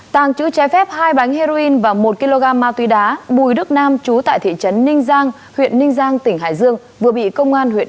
tàng chữ trái phép hai bánh heroin và một kg ma tuy đá bùi đức nam chú tại thị trấn ninh giang huyện ninh giang tỉnh hải dương vừa bị công an huyện tháp mười đưa ra